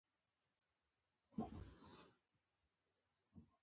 سهار د پرمختګ پیل دی.